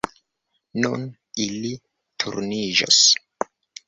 Nun ili turniĝos.